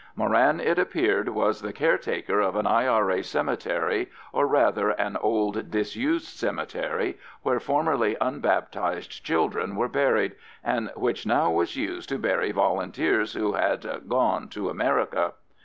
Moran, it appeared, was the caretaker of an I.R.A. cemetery, or rather an old disused cemetery, where formerly unbaptised children were buried, and which now was used to bury Volunteers who had "gone to America."